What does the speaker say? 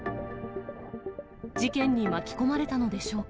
事件に巻き込まれたのでしょうか。